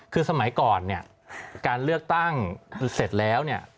คือสมัยก่อนการเลือกตั้งเสร็จแล้ว